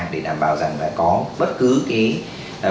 để đảm bảo rằng là có bất cứ cái